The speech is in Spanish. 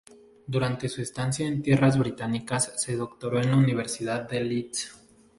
Durante su estancia en tierras británicas se doctoró en la Universidad de Leeds.